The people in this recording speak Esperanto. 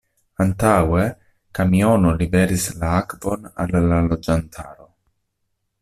Antaŭe kamiono liveris la akvon al la loĝantaro.